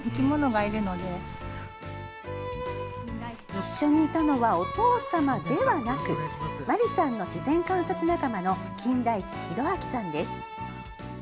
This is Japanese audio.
一緒にいたのはお父様ではなくまりさんの自然観察仲間の金田一弘明さんです。